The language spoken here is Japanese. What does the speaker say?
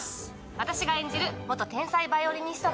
私が演じる元天才バイオリニストが。